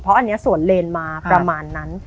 เพราะอันนี้สวนเลนมาประมาณนั้น